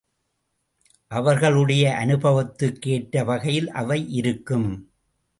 அவரவர்களுடைய அனுபவத்துக்கு ஏற்ற வகையில் அவை இருக்கும்.